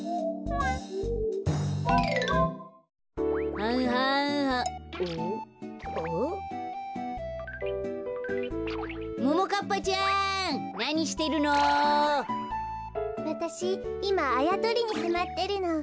わたしいまあやとりにはまってるの。